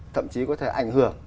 thậm chí có thể ảnh hưởng